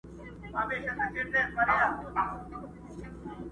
سترګي به ړندې د جهالت د جادوګرو کړي!!